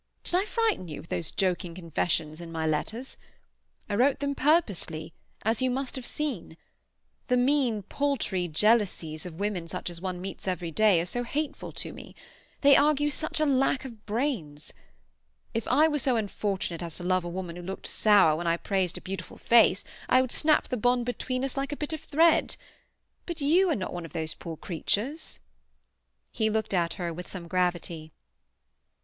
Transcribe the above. Did I frighten you with those joking confessions in my letters? I wrote them purposely—as you must have seen. The mean, paltry jealousies of women such as one meets every day are so hateful to me. They argue such a lack of brains. If I were so unfortunate as to love a woman who looked sour when I praised a beautiful face, I would snap the bond between us like a bit of thread. But you are not one of those poor creatures." He looked at her with some gravity.